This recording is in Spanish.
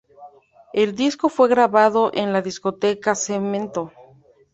El disco fue grabado en la discoteca Cemento.